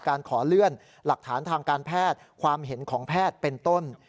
ขอเลื่อนหลักฐานทางการแพทย์ความเห็นของแพทย์เป็นต้น